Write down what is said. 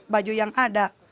baju yang ada